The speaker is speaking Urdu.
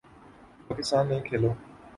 پاکستان نے کھیلو